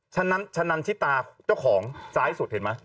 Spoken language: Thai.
ชะนันชิตาเจ้าของซ้ายสุดเห็นไหม